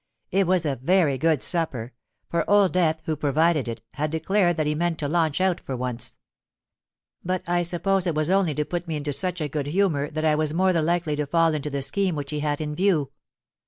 It was a very good supper; for Old Death, who provided it, had declared that he meant to launch out for once. But I suppose it was only to put me into such a good humour that I was the more likely to fall into the scheme which he had in view.